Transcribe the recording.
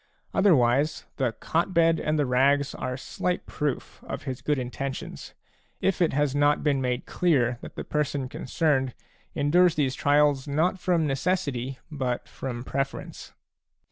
Otherwise, the cot bed and the rags are slight proof of his good intentions, if it has not been made clear that the person concerned endures these trials not from necessity but from preference.